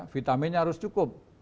vitaminnya harus cukup